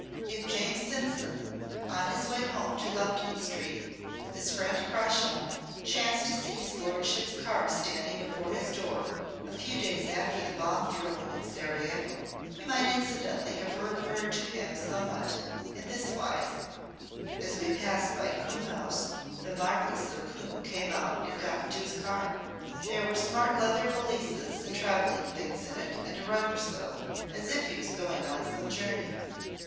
If James Simpson, on his way home to Lupton Street with his friend Crawshaw, chanced to see his lordship's car standing before his door a few days after the bomb throwing in Sarajevo, he might incidentally have referred to him somewhat in this wise: "As we passed by Coombe House the Marquis of Coombe came out and got into his car. There were smart leather valises and travelling things in it and a rug or so, as if he was going on some journey.